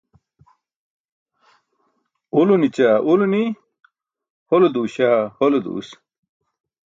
Ulo nićaa ulo ni, hole duuśaa hole duus.